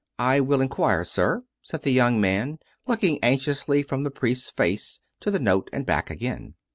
" I wilf inquire, sir," said the young man, looking anxiously from the priest's face to the note and back again.